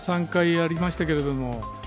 ３回やりましたけれども。